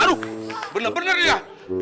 aduh bener bener ya